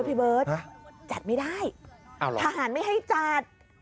พี่เบิร์ตจัดไม่ได้ทหารไม่ให้จัด